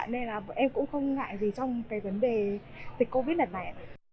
nên là bọn em cũng không ngại gì trong cái vấn đề dịch covid một mươi chín này